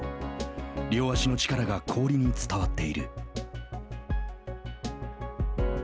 両足の力が氷に伝わっている。